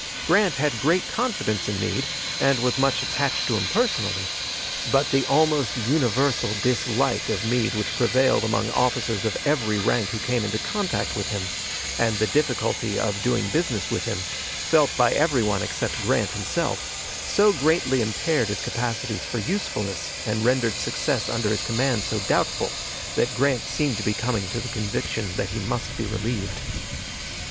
Grant had great confidence in Meade, and was much attached to him personally; but the almost universal dislike of Meade which prevailed among officers of every rank who came in contact with him, and the difficulty of doing business with him, felt by every one except Grant himself, so greatly impaired his capacities for usefulness and rendered success under his command so doubtful that Grant seemed to be coming to the conviction that he must be relieved.